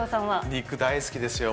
肉、大好きですよ。